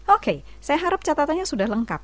oke saya harap catatannya sudah lengkap